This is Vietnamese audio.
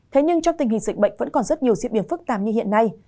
thế nhưng trong tình hình dịch bệnh vẫn còn rất nhiều diễn biến phức tạp như hiện nay